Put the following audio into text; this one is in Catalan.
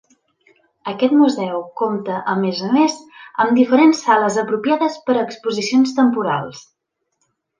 Aquest museu compta a més a més amb diferents sales apropiades per a exposicions temporals.